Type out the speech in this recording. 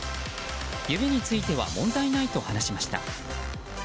指については問題ないと話しました。